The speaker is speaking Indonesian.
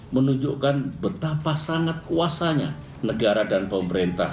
menunjukkan betapa sangat kuasanya negara dan pemerintah